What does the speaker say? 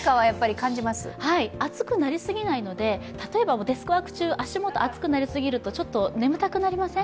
暑くなりすぎないので例えばデスクワーク中暑くなりすぎるとちょっと眠たくなりません？